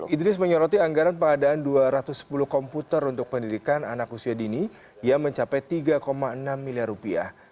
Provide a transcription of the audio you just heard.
idris menyoroti anggaran pengadaan dua ratus sepuluh komputer untuk pendidikan anak usia dini yang mencapai tiga enam miliar rupiah